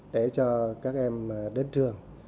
để cho các em đến trường